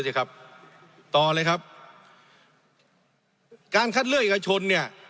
สิครับต่อเลยครับการคัดเลือกเอกชนเนี่ย